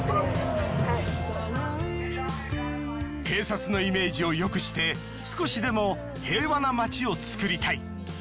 警察の悪いイメージを変え少しでも平和な街を作りたい。